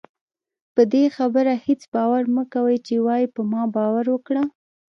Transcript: پدې خبره هېڅ باور مکوئ چې وايي په ما باور وکړه